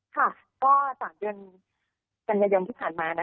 ค่ะก็สักเดือนกันในเดือนที่ผ่านมานะคะ